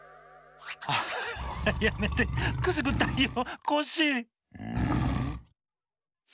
ハハやめてくすぐったいよコッシー。